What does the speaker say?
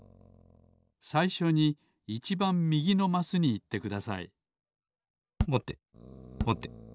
さいしょにいちばんみぎのマスにいってくださいぼてぼて。